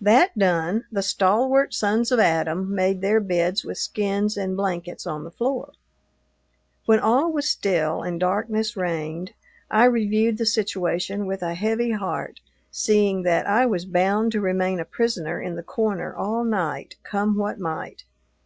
That done, the stalwart sons of Adam made their beds with skins and blankets on the floor. When all was still and darkness reigned, I reviewed the situation with a heavy heart, seeing that I was bound to remain a prisoner in the corner all night, come what might.